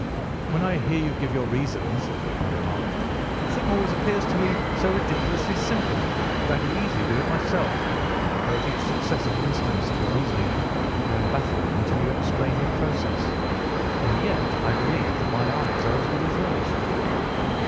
"When I hear you give your reasons," I remarked, "the thing always appears to me to be so ridiculously simple that I could easily do it myself, though at each successive instance of your reasoning I am baffled until you explain your process. And yet I believe that my eyes are as good as yours."